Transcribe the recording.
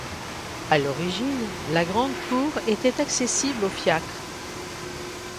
À l'origine, la grande cour était accessible aux fiacres.